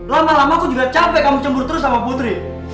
lama lama aku juga capek kamu cembur terus sama putri